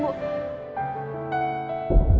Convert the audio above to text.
aku mau bantuin